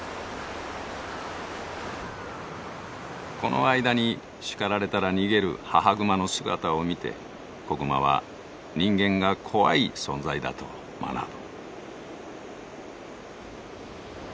この間に叱られたら逃げる母熊の姿を見て子熊は人間が怖い存在だと学ぶ。